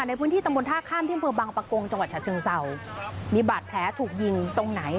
ในพื้นที่ตำบลท่าข้ามที่อำเภอบังปะโกงจังหวัดฉะเชิงเศร้ามีบาดแผลถูกยิงตรงไหน